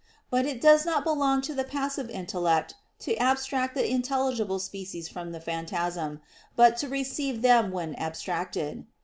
But it does not belong to the passive intellect to abstract the intelligible species from the phantasm, but to receive them when abstracted.